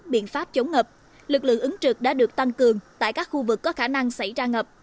biện pháp chống ngập lực lượng ứng trực đã được tăng cường tại các khu vực có khả năng xảy ra ngập